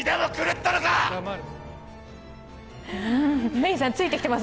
メイさん、ついてきてます？